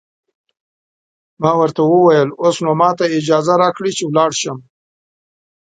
ما ورته وویل: اوس نو ماته اجازه راکړئ چې ولاړ شم.